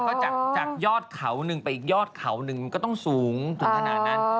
ก็จากยอดเขาหนึ่งไปอีกยอดเขาหนึ่งก็ต้องสูงถึงขนาดนั้น